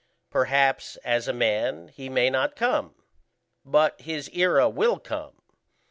Perhaps as a man he may not come, but his era will come.